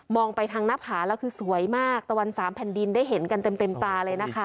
ไปทางหน้าผาแล้วคือสวยมากตะวันสามแผ่นดินได้เห็นกันเต็มตาเลยนะคะ